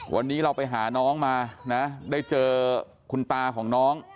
วันนี้เราไปหาน้องมานะได้เจอคุณตาของน้อง